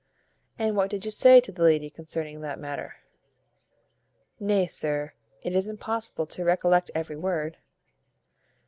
"And what did you say to the lady concerning that matter?" "Nay, sir, it is impossible to recollect every word."